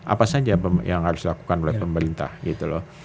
apa saja yang harus dilakukan oleh pemerintah gitu loh